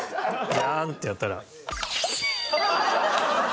ジャーンってやったら。